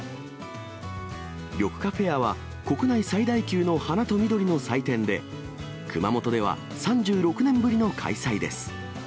緑化フェアは、国内最大級の花と緑の祭典で、熊本では３６年ぶりの開催です。